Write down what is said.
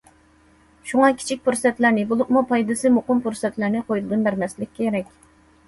شۇڭا كىچىك پۇرسەتلەرنى، بولۇپمۇ پايدىسى مۇقىم پۇرسەتلەرنى قولدىن بەرمەسلىكىمىز كېرەك.